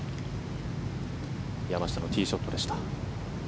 山下のティーショットでした。